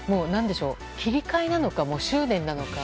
切り替えなのか執念なのか。